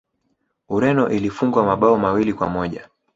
ureno ilifungwa mabao mawili kwa moja